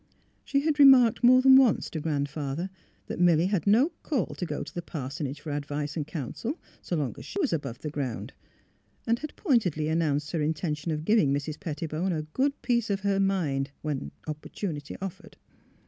She had remarked more than once to Grandfather that Milly had no call to go to the parsonage for advice and counsel, so long as she was above ground, and had pointedly announced her inten tion of giving Mrs. Pettibone " a good piece of her mind," whenever opportunity offered.